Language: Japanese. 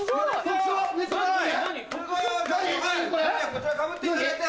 こちらかぶっていただいて。